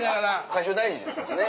最初大事ですもんね。